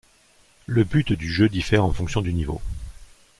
Le but du jeu diffère en fonction du niveau.